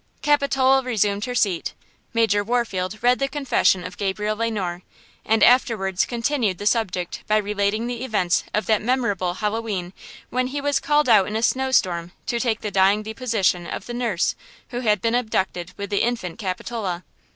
Capitola resumed her seat, Major Warfield read the confession of Gabriel Le Noir, and afterwards continued the subject by relating the events of that memorable Hallowe'en when he was called out in a snow storm to take the dying deposition of the nurse who had been abducted with the infant Capitola.